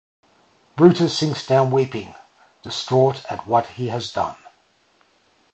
Brutus sinks down weeping, distraught at what he has done.